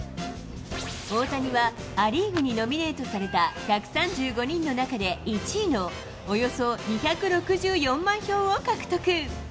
大谷はア・リーグにノミネートされた１３５人の中で１位のおよそ２６４万票を獲得。